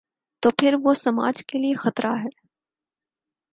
تو پھر وہ سماج کے لیے خطرہ ہے۔